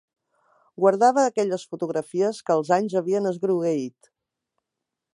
Guardava aquelles fotografies que els anys havien esgrogueït.